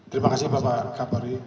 terima kasih bapak kapoldi